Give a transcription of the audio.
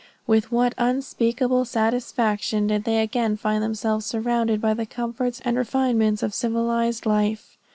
"With what unspeakable satisfaction did they again find themselves surrounded by the comforts and refinements of civilized life."